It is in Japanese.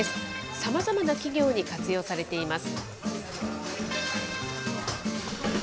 さまざまな企業に活用されています。